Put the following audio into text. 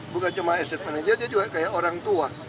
bukan cuma estate manager dia juga kayak orang tua